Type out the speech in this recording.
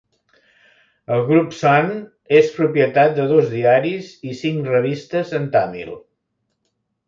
El grup Sun és propietat de dos diaris i cinc revistes en tàmil.